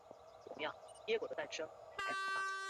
软体度量是一个对于软体性质及其规格的量测。